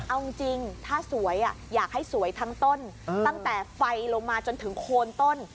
เอาจริงถ้าสวยอยากให้สวยทั้งต้นตั้งแต่ไฟลงมาจนถึงโคนต้น